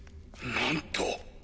なんと！